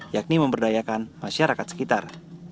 yakni memberdayakan masyarakat sekitar